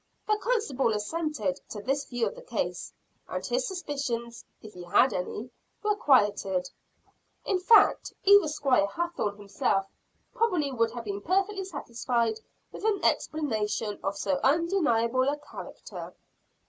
The constable assented to this view of the case; and his suspicions, if he had any, were quieted. In fact even Squire Hathorne himself probably would have been perfectly satisfied with an explanation of so undeniable a character.